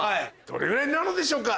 どれぐらいなのでしょうか？